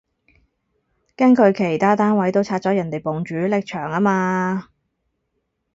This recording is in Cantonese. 驚佢其他單位都拆咗人哋埲主力牆吖嘛